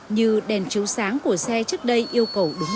như đèn chiếu sáng của xe trước đây yêu cầu đúng